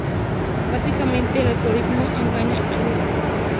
Básicamente, el algoritmo engaña al ojo.